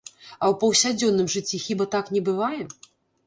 А ў паўсядзённым жыцці хіба так не бывае?